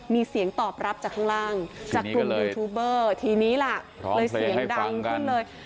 มีเสียงตอบรับจากข้างล่างจากกลุ่มยูทูบเบอร์ทีนี้ล่ะเลยเสียงดังขึ้นเลย